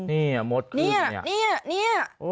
เนี่ยมดขึ้นเนี่ย